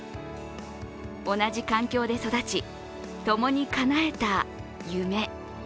同じ環境で育ち共にかなえた夢。